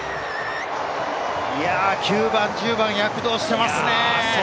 ９番、１０番、躍動していますね！